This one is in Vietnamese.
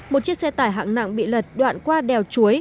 một chiếc xe tải hạng nặng bị lật đoạn qua đèo chuối